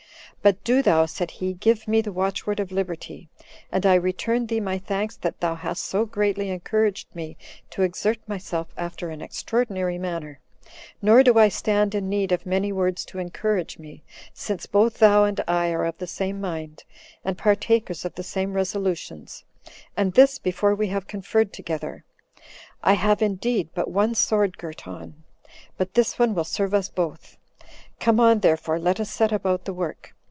"But do thou," said he, "give me the watchword of liberty. And I return thee my thanks that thou hast so greatly encouraged me to exert myself after an extraordinary manner; nor do I stand in need of many words to encourage me, since both thou and I are of the same mind, and partakers of the same resolutions, and this before we have conferred together. I have indeed but one sword girt on, but this one will serve us both. Come on, therefore, let us set about the work.